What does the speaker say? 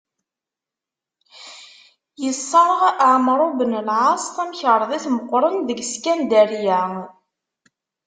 Yesserɣ Ɛemru ben Lɛaṣ tamkerḍit meqqren deg Skandarya.